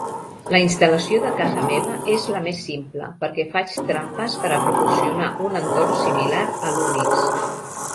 La instal·lació de casa meva és la més simple, perquè faig trampes per a proporcionar un entorn similar a l'UNIX.